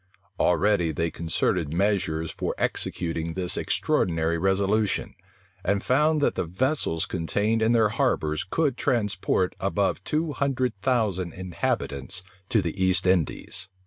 Already they concerted measures for executing this extraordinary resolution; and found that the vessels contained in their harbors could transport above two hundred thousand inhabitants to the East Indies.